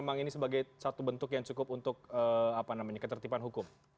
memang ini sebagai satu bentuk yang cukup untuk ketertiban hukum